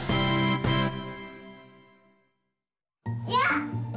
いや！